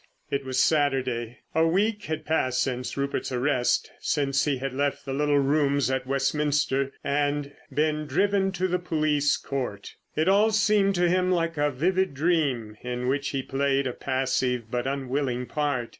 It was Saturday. A week had passed since Rupert's arrest, since he had left the little rooms at Westminster and been driven to the police court. It all seemed to him like a vivid dream, in which he played a passive but unwilling part.